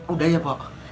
udah iya pak